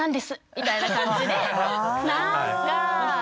みたいな感じでなんか。